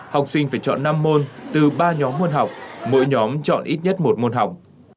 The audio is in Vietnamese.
học sinh phải chọn năm môn từ ba nhóm môn học mỗi nhóm chọn ít nhất một môn học